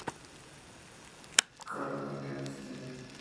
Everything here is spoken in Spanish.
Carnegie Inst.